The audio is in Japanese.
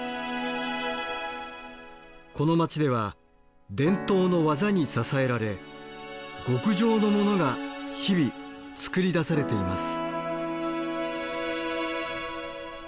この街では伝統の技に支えられ極上のモノが日々作り出されています。